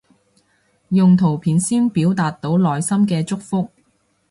用圖片先表達到內心嘅祝福